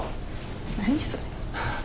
何それ。